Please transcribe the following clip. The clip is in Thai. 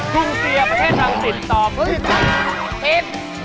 ทุ่งเจียประเทศทางศิลป์ต่อพฤติศ